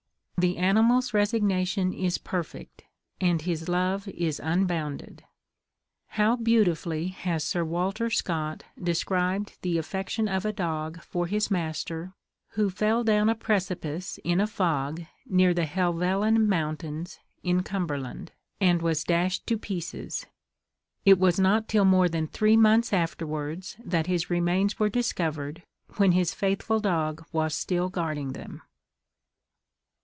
The animal's resignation is perfect, and his love unbounded. How beautifully has Sir Walter Scott described the affection of a dog for his master, who fell down a precipice in a fog near the Helvellyn Mountains, in Cumberland, and was dashed to pieces. It was not till more than three months afterwards that his remains were discovered, when his faithful dog was still guarding them.